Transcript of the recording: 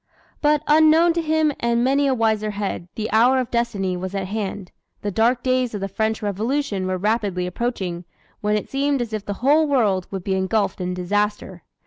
But unknown to him and many a wiser head, the hour of destiny was at hand. The dark days of the French Revolution were rapidly approaching, when it seemed as if the whole world would be engulfed in disaster.